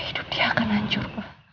hidup dia akan hancur